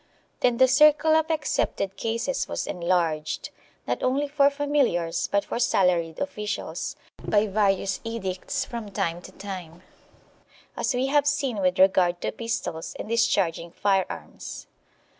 1 Then the circle of excepted cases was enlarged, not only for familiars but for salaried officials, by various edicts from time to time, as we have seen with regard to pistols and discharging fire arms.